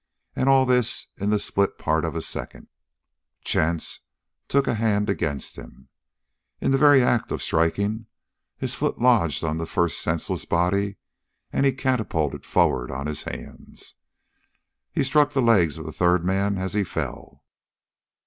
And all this in the split part of a second. Chance took a hand against him. In the very act of striking, his foot lodged on the first senseless body, and he catapulted forward on his hands. He struck the legs of the third man as he fell.